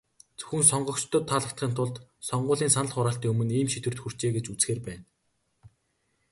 Зөвхөн сонгогчдод таалагдахын тулд, сонгуулийн санал хураалтын өмнө ийм шийдвэрт хүрчээ гэж үзэхээр байна.